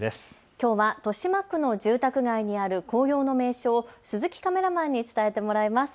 きょうは豊島区の住宅街にある紅葉の名所を鈴木カメラマンに伝えてもらいます。